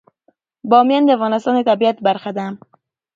بامیان د افغانستان د طبیعت برخه ده.